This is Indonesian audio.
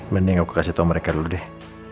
mending aku kasih tau mereka dulu deh